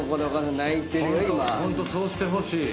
ホントそうしてほしい。